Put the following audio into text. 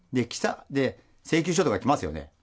請求書とか来ますよね。